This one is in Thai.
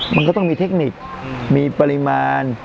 มันก็ต้องมีเทคนิคมีปริมาณ